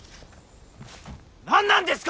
何なんですか